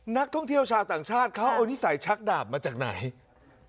นักท่องเที่ยวชาวต่างชาติเขาเอานิสัยชักดาบมาจากไหน